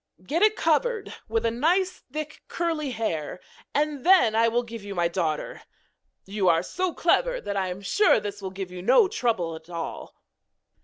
Get it covered with nice thick curly hair, and then I will give you my daughter. You are so clever that I am sure this will give you no trouble at all.'